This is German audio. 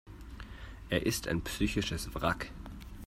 Er ist ein psychisches Wrack.